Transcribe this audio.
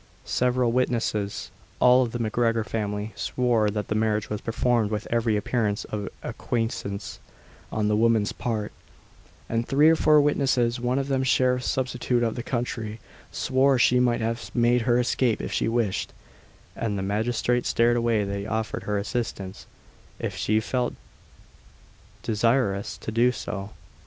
Several witnesses, all of the MacGregor family, swore that the marriage was performed with every appearance of acquiescence on the woman's part; and three or four witnesses, one of them sheriff substitute of the county, swore she might have made her escape if she wished, and the magistrate stated that he offered her assistance if she felt desirous to do so.